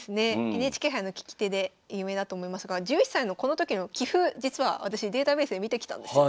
ＮＨＫ杯の聞き手で有名だと思いますが１１歳のこの時の棋譜実は私データベースで見てきたんですよ。